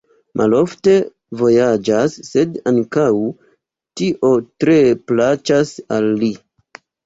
Malofte vojaĝas, sed ankaŭ tio tre plaĉas al li.